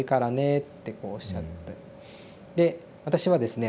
で私はですね